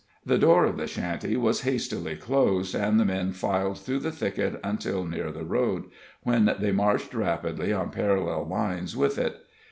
The door of the shanty was hastily closed, and the men filed through the thicket until near the road, when they marched rapidly on parallel lines with it.